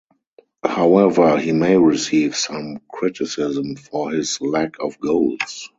However, he may receive some criticism for his lack of goals.